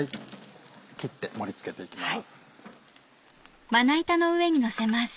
切って盛り付けていきます。